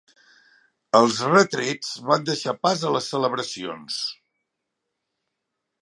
Els retrets van deixar pas a les celebracions.